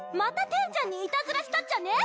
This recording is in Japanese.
テンちゃんにいたずらしたっちゃね！？